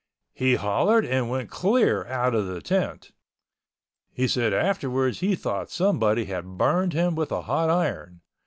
He hollered and went clear out of the tent. He said afterwards he thought somebody had burned him with a hot iron.